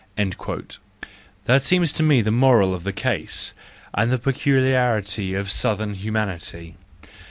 — that seems to me the moral of the case, and the peculiarity of southern humanity.